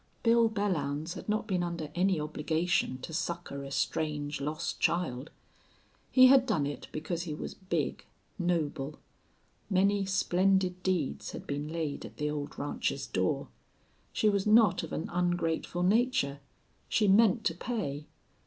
Bill Belllounds had not been under any obligation to succor a strange, lost child. He had done it because he was big, noble. Many splendid deeds had been laid at the old rancher's door. She was not of an ungrateful nature. She meant to pay.